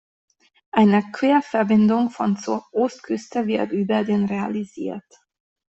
Eine Querverbindung von zur Ostküste wird über den realisiert.